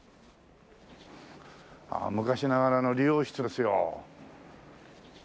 ああ昔ながらの理容室ですよ。